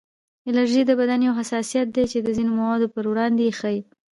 الرژي د بدن یو حساسیت دی چې د ځینو موادو پر وړاندې یې ښیي